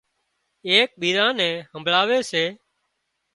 ايڪ ٻيزان نين همڀۯاوي سي